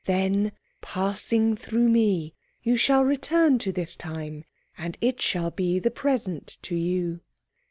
Then, passing through me, you shall return to this time and it shall be the present to you."